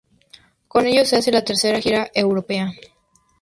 Con ellos, se hace la tercera gira europea.